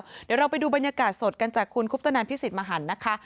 เดี๋ยวเราไปดูบรรยากาศสดกันจากคุณคุปตนันพิสิทธิมหันนะคะ